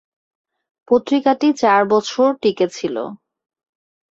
পত্রিকাটি চার বছর টিকে ছিল।